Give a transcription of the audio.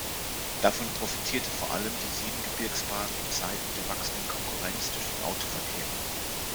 Davon profitierte vor allem die Siebengebirgsbahn in Zeiten der wachsenden Konkurrenz durch den Autoverkehr.